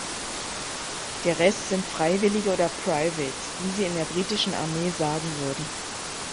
Der Rest sind Freiwillige oder Privates, wie sie in der britischen Armee sagen würden.